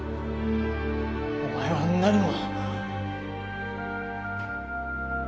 お前は何も。